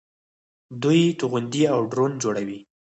دوی توغندي او ډرون جوړوي.